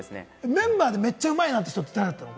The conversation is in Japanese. メンバーでめっちゃうまい人、誰だったの？